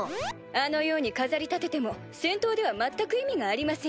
あのように飾り立てても戦闘では全く意味がありませんし。